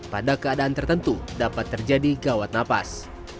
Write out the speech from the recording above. pada keadaan tertentu dapat terjadi gawat nafas